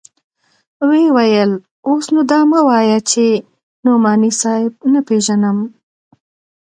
ويې ويل اوس نو دا مه وايه چې نعماني صاحب نه پېژنم.